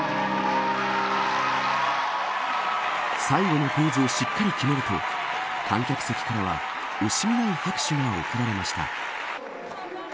最後のポーズをしっかり決めると観客席からは惜しみない拍手が送られました。